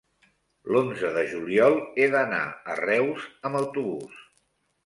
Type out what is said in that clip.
l'onze de juliol he d'anar a Reus amb autobús.